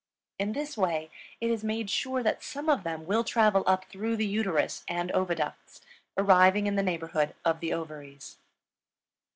In this way, it is made sure that some of them will travel up through the uterus and oviducts, arriving in the neighborhood of the ovaries.